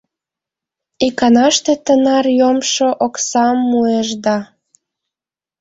Иканаште тынар йомшо оксам муэш да.